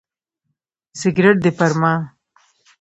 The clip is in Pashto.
سګرټ دې پر ما.